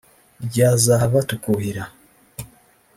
ryazava tukuhira